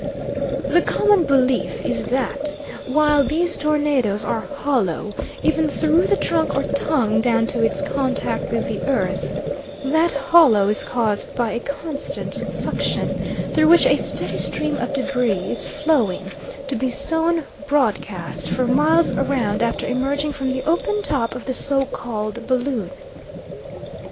"The common belief is that, while these tornadoes are hollow, even through the trunk or tongue down to its contact with the earth, that hollow is caused by a constant suction, through which a steady stream of debris is flowing, to be sown broadcast for miles around after emerging from the open top of the so called balloon."